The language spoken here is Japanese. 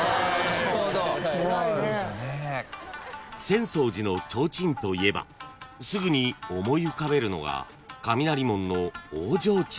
［浅草寺の提灯といえばすぐに思い浮かべるのが雷門の大提灯］